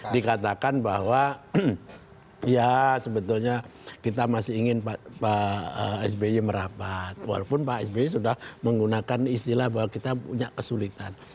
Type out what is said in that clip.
dikatakan bahwa ya sebetulnya kita masih ingin pak sby merapat walaupun pak sby sudah menggunakan istilah bahwa kita punya kesulitan